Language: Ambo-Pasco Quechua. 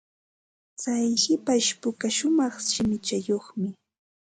Tsay hipashpuka shumaq shimichayuqmi.